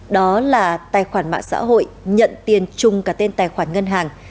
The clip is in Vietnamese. đó là tài khoản mạng xã hội nhận tiền chung cả tên tài khoản ngân hàng